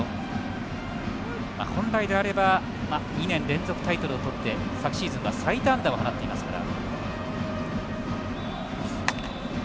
本来であれば２年連続タイトルとをって昨シーズンは最多安打を放っていますから。